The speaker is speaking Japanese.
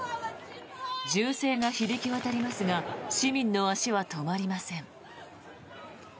銃声が響き渡りますが市民の足は止まりません。